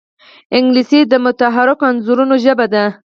انګلیسي د متحرکو انځورونو ژبه ده